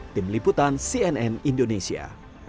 tim liputan cnn indonesia